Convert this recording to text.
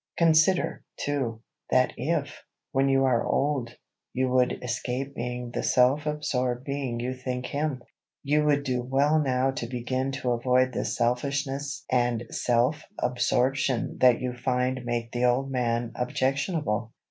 Consider, too, that if, when you are old, you would escape being the self absorbed being you think him, you would do well now to begin to avoid the selfishness and self absorption that you find make the old man objectionable.